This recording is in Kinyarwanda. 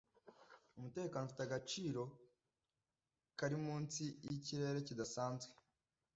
Umutekano ufite agaciro kari munsi yikirere kidasanzwe